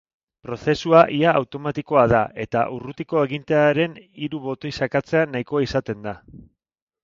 Prozesua ia automatikoa da eta urrutiko agintearen hiru botoi sakatzea nahikoa izaten da.